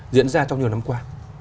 diễn ra trong nhiều năm qua